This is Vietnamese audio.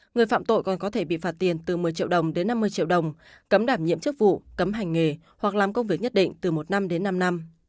người phạm tội còn có thể bị phạt tiền từ một mươi triệu đồng đến năm mươi triệu đồng cấm đảm nhiệm chức vụ cấm hành nghề hoặc làm công việc nhất định từ một năm đến năm năm